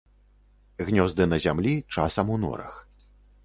Гнёзды на зямлі, часам у норах.